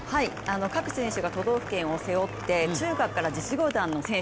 各選手が都道府県を背負って、中学から実業団の選手